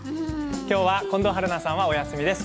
きょうは近藤春菜さんはお休みです。